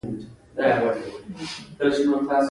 نو هغې کس ته به دا خبره کوئ